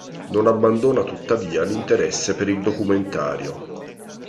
Non abbandona tuttavia l'interesse per il documentario.